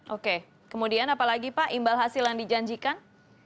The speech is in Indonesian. oke kemudian apa lagi pak imbal hasil yang dijanjikan